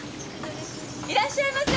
いらっしゃいませ。